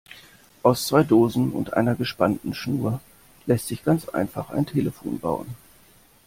Aus zwei Dosen und einer gespannten Schnur lässt sich ganz einfach ein Telefon bauen.